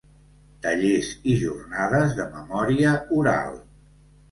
Tallers i Jornades de Memòria Oral.